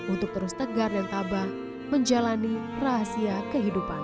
untuk terus tegar dan tabah menjalani rahasia kehidupan